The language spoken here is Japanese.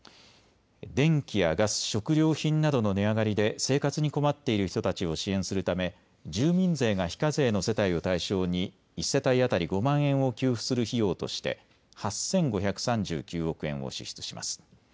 電気やガス、食料品などの値上がりで生活に困っている人たちを支援するため住民税が非課税の世帯を対象に１世帯当たり５万円を給付する費用として８５３９億円を支出します。